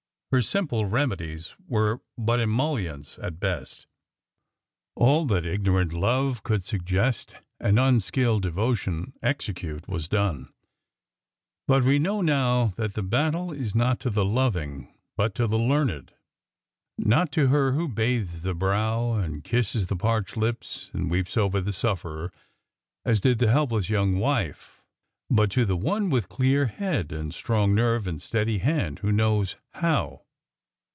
Her sim ple remedies were but emollients at best. All that igno rant love could suggest and unskilled devotion execute was done, but we know now that the battle is not to the loving, but to the learned,— not to her who bathes the brow and kisses the parched lips and weeps over the sufferer, as did the helpless young wife, but to the one with clear head and strong nerve and steady hand who knows how.